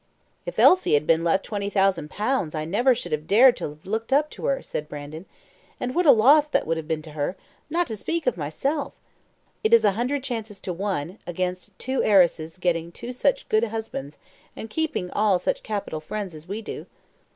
"If Elsie had been left 20,000 pounds I never should have dared to have looked up to her," said Brandon; "and what a loss that would have been to her, not speak of myself! It is a hundred chances to one against two heiresses getting two such good husbands, and keeping all such capital friends as we do."